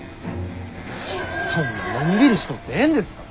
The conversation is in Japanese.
そんなのんびりしとってええんですか？